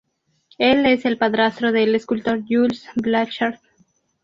Él es el padrastro del escultor Jules Blanchard.